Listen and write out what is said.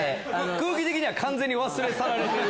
空気的に完全に忘れ去られてる。